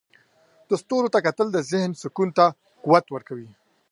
د ستورو ته کتل د ذهن سکون ته قوت ورکوي.